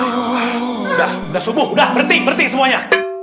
sudah subuh udah berhenti berhenti semuanya